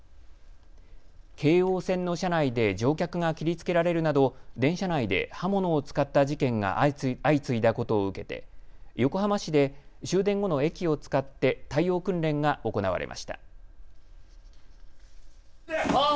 京王線の車内で乗客が切りつけられるなど電車内で刃物を使った事件が相次いだことを受けて横浜市で終電後の駅を使って対応訓練が行われました。